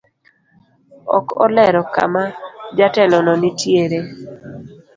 Ok olero kama jatelono nitiere.